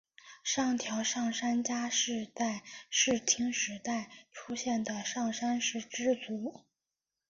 上条上杉家是在室町时代出现的上杉氏支族。